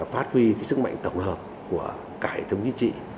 phát huy sức mạnh tổng hợp của cả hệ thống chính trị